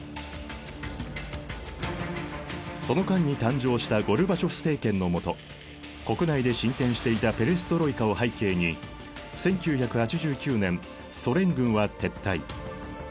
その間に誕生したゴルバチョフ政権の下国内で進展していたペレストロイカを背景に１９８９年ソ連軍は撤退。